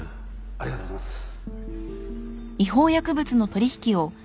ありがとうございます。